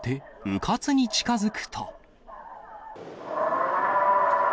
うかつに近づくと。